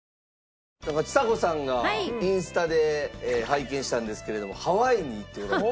ちさ子さんがインスタで拝見したんですけれどもハワイに行っておられて。